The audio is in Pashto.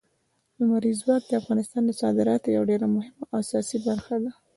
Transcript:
لمریز ځواک د افغانستان د صادراتو یوه ډېره مهمه او اساسي برخه ده.